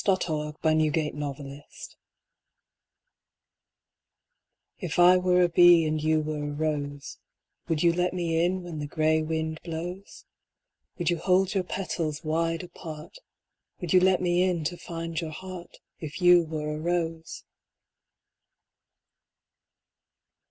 The Rose and the Bee If I were a bee and you were a rose, Would you let me in when the gray wind blows? Would you hold your petals wide apart, Would you let me in to find your heart, If you were a rose?